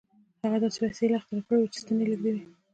هغه داسې وسیله اختراع کړې وه چې ستنې لېږدولې